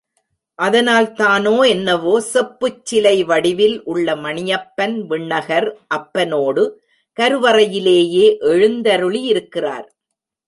அதனால்தானோ என்னவோ செப்புச் சிலை வடிவில் உள்ள மணியப்பன் விண்ணகர் அப்பனோடு கருவறையிலேயே எழுந்தருளியிருக்கிறார்.